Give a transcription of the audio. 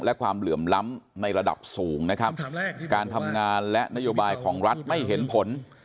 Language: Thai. และความเหลื่อมล้ำในระดับสูงนะครับการทำงานและนโยบายของรัฐไม่เห็นผล